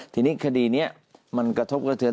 ทีนี้คดีนี้มันกระทบกระเทือน